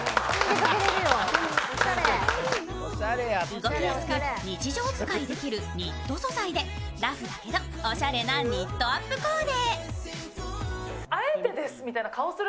動きやすく日常使いできるニット素材でラフだけどおしゃれなニットアップコーデ。